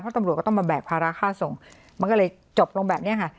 ตำรวจก็ต้องมาแบกภาระค่าส่งมันก็เลยจบลงแบบนี้ค่ะ